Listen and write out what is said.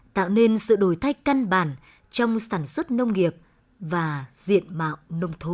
tạo nên sự đổi thay căn bản trong sản xuất nông nghiệp và diện mạo nông thôn